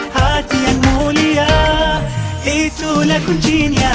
hati yang mulia itulah kuncinya